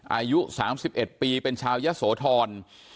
อายุ๓๑ปีเป็นชาวยะโสธร